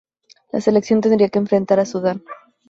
La selección tendría que enfrentar a Sudán.